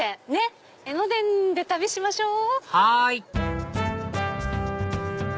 江ノ電で旅しましょう。